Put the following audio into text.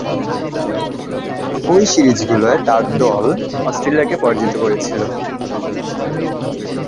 ঐ সিরিজগুলোয় তার দল অস্ট্রেলিয়াকে পরাজিত করেছিল।